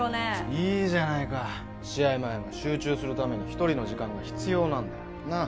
いいじゃないか試合前は集中するために１人の時間が必要なんだよなあ